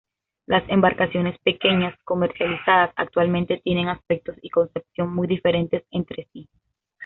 Las embarcaciones pequeñas comercializadas actualmente tienen aspectos y concepción muy diferentes entre sí.